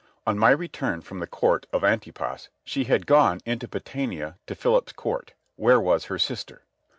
On my return from the court of Antipas she had gone into Batanæa to Philip's court, where was her sister.